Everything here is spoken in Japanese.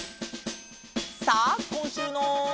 さあこんしゅうの。